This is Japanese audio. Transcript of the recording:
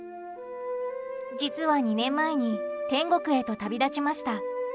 実は、２年前に天国へと旅立ちました。